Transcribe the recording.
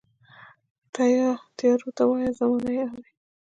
تیارو ته وایه، زمانه یې اورې